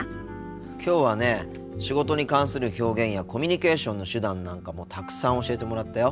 きょうはね仕事に関する表現やコミュニケーションの手段なんかもたくさん教えてもらったよ。